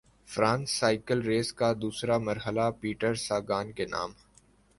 France cycle race کا دوسرا مرحلہ پیٹرساگان کے نام